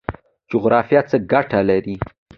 جغرافیه څه ګټه لري؟